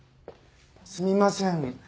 すみません。